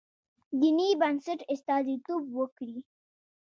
دیني بنسټ استازیتوب وکړي.